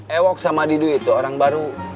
ewok sama didu itu orang baru